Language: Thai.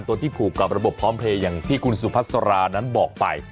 ตัวที่ผูกกับระบบพร้อมเพลย์อย่างที่คุณสุพัสรานั้นบอกไป